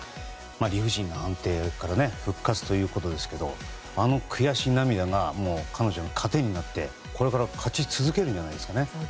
理不尽な判定から復活ということですけどあの悔し涙が彼女の糧になってこれから勝ち続けるんじゃないですかね。